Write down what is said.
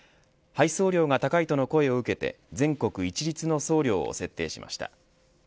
配送料が高いとの声を受けて全国一律の送料を設定しました。